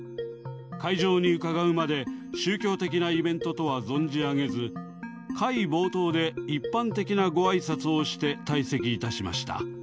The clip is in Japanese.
会場に伺うまで、宗教的なイベントとは存じ上げず、会冒頭で一般的なごあいさつをして、退席いたしました。